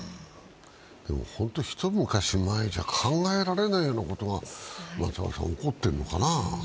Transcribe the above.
本当、一昔前じゃ考えられないようなことが起こってるのかな？